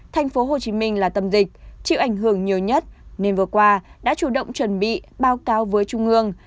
tp hcm là tâm dịch chịu ảnh hưởng nhiều nhất nên vừa qua đã chủ động chuẩn bị báo cáo với trung ương